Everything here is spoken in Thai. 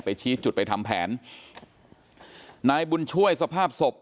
ชี้จุดไปทำแผนนายบุญช่วยสภาพศพ